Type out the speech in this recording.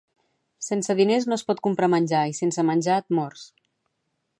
Sense diners no es pot comprar menjar i sense menjar et mors